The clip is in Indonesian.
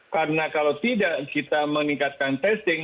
karena kalau tidak kita meningkatkan testing